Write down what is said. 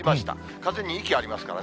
風に勢いありますからね。